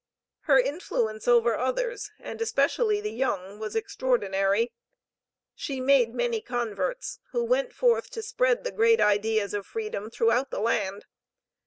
Her influence over others, and especially the young, was extraordinary. She made many converts, who went forth to spread the great ideas of freedom throughout the land.